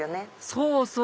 そうそう！